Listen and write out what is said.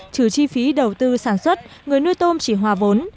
trừ chi phí đầu tư sản xuất người nuôi tôm chỉ hòa vốn